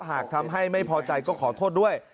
หากทำให้ไม่พอใจก็ขอโทษด้วย